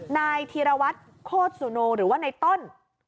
นายธีรวัตรโฆษณูหรือว่าในต้น